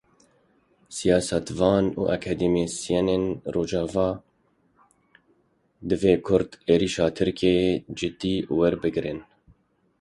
Siyasetvan û akademîsyenên Rojava: Divê Kurd êrişa Tirkiyê ciddî werbigrin.